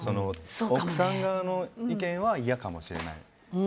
奥さん側の意見はいやかもしれない。